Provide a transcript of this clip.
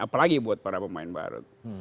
apalagi buat para pemain baru